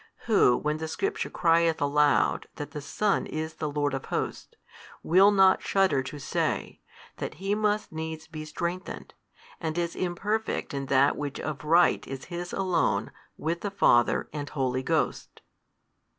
Who when the Scripture crieth aloud that the Son is the Lord of Hosts, will not shudder to say, that He must needs be strengthened, and is imperfect in that which of right is His alone with the Father and Holy Ghost?